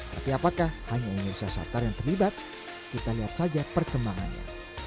tapi apakah hanya indonesia satar yang terlibat kita lihat saja perkembangannya